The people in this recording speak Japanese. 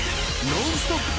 ノンストップ！